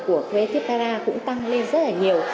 của creative dara cũng tăng lên rất là nhiều